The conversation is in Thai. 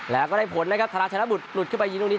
แล้วก็ได้ผลนะครับธนาชนะบุตรหลุดขึ้นไปยิงตรงนี้